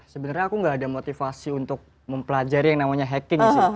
sebenarnya aku gak ada motivasi untuk mempelajari yang namanya hacking di sini